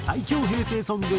平成ソング